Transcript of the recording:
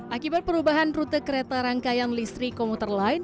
akibat perubahan rute kereta rangkaian listrik komuter lain